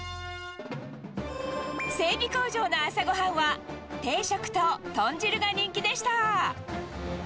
整備工場の朝ごはんは、定食と豚汁が人気でした。